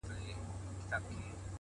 پرمختګ د ځان له پرونۍ بڼې وړاندې تګ دی.!